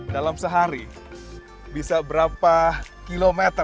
danau toba sebuah wilayah yang terkenal dengan keamanan dan keamanan